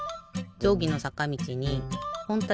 じょうぎのさかみちにほんたてとけしごむ。